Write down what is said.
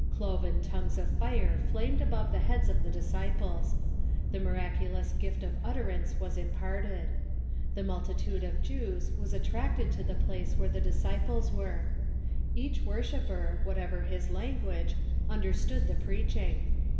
Cloven tongues of fire flamed above the lieads of the disciples. The miraculous gift of utterance Avas imparted. The multitude of Jews Avas attracted to the place Avhere the disciples were. Each wor shipper, whatever his language, understood the pi eaching.